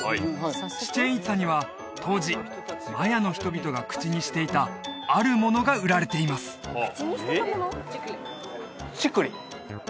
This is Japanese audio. チチェン・イツァには当時マヤの人々が口にしていたあるものが売られていますチクレチクレ？